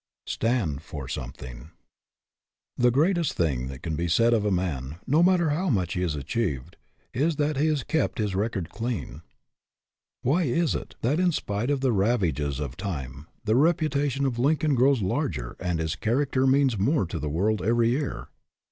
STAND FOR SOMETHING | HE greatest thing that can be said of a man, no matter how much he has achieved, is that he has kept his record clean. Why is it that, in spite of the ravages of time, the reputation of Lincoln grows larger and his character means more to the world every year?